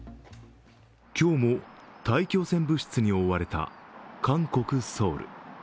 今日も大気汚染物質に覆われた韓国・ソウル。